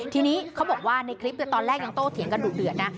ทีนี้เขาบอกว่าในคลิปตอนแรกยังโต้เถียงกันดุเดือดนะ